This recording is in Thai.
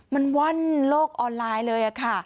มันว่อนโลกออนไลน์เลยค่ะ